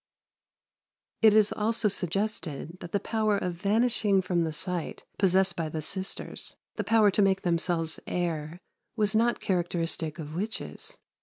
97. It is also suggested that the power of vanishing from the sight possessed by the sisters the power to make themselves air was not characteristic of witches.